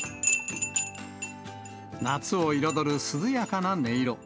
夏を彩る涼やかな音色。